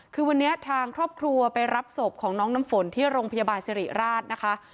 คือวันนี้ทางครอบครัวไปรับศพของน้องน้ำฝนที่โรงพยาบาลสิริราชนะคะ